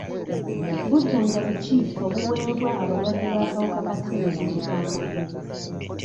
Bujjanjabi ki obuweebwa abalwadde b'akawuka ka ssenyiga omukambwe?